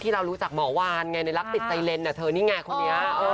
ที่เรารู้จักหมอวานไงในลักษณ์ติดใจเล่นนะเธอนี่ไงคนนี้